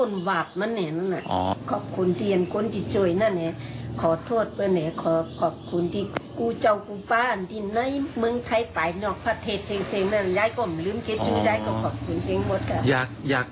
ยักษ์ก็ไม่ลืมเก็ตจู๊ยังก็ขอบคุณเชียงบวชครับ